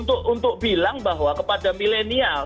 untuk bilang bahwa kepada milenial